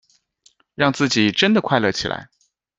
让自己真的快乐起来